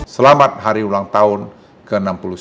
selamat hari ulang tahun ke enam puluh sembilan